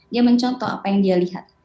dia mencontoh apa yang dia lihat